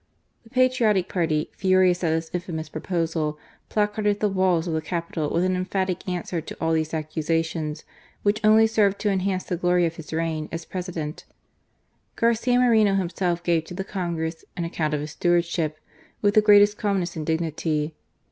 The patriotic party, furious at this infamous proposal, placarded the walls of the capital with an emphatic answer to all these accusations, which only served to enhance the glory of his reign as President. Garcia Moreno himself gave to the Congress " an account of his stewardship," with the greatest calmness and dignity.